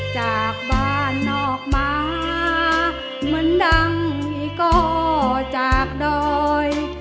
จากบ้านนอกมาเหมือนดังก็จากดอย